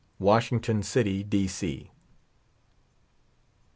Washington City, D.